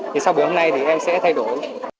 thì sau buổi hôm nay thì em sẽ thay đổi